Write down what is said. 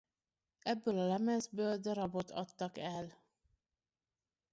Ebből a lemezből darabot adtak el.